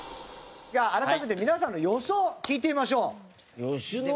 では改めて皆さんの予想聞いてみましょう。